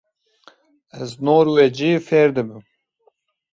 Ez norwecî fêr dibim.